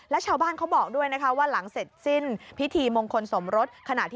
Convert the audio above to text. และชาวบ้านเขาบอกด้วยนะคะว่าหลังเสร็จสิ้นพิธีมงคลสมรส